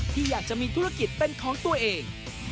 ที่อยากจะมีธุรกิจเป็นของตัวเอง